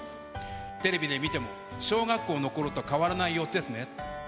テレビで見ても小学校のころと変わらない様子ですね。